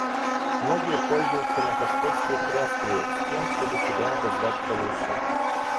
Многие пользуются напостовской тряскою, с тем чтоб себя обозвать получше.